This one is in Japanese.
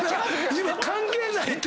今関係ないって。